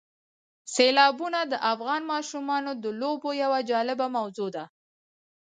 سیلابونه د افغان ماشومانو د لوبو یوه جالبه موضوع ده.